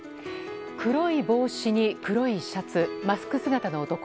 黒い帽子に黒いシャツマスク姿の男。